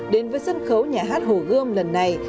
đến với sân khấu nhà hát hồ gươm lần này